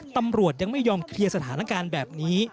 ตำรวจยังไม่ยอมเคลียร์สถานการณ์แบบนี้